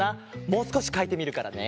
もうすこしかいてみるからね。